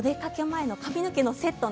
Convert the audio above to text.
前の髪の毛のセット